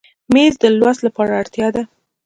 مېز د لوست لپاره اړتیا ده.